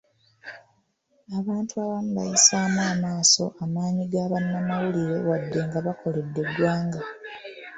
Abantu abamu bayisaamu amaaso amaanyi ga bannamawulire wadde nga bakoledde eggwanga.